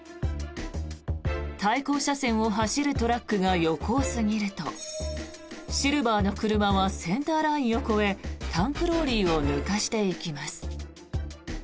対向車線を走るトラックが横を過ぎるとシルバーの車はセンターラインを越えタンクローリーを抜かしていきます。